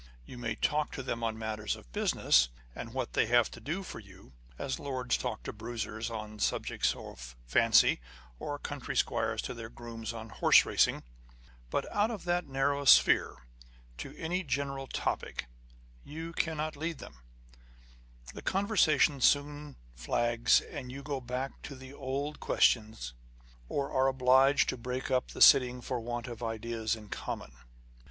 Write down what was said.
You may talk to them on matters of business, and what they have to do for you (as lords talk to bruisers on subjects of fancy, or country squires to their grooms on horse racing), but out of that narrow sphere, to any general topic, you cannot lead them ; the conversation soon flags, and you go back to the old question, or are obliged to break up the sitting for want of ideas in common.